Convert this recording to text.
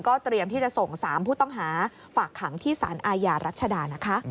เตรียมที่จะส่ง๓ผู้ต้องหาฝากขังที่สารอาญารัชดานะคะ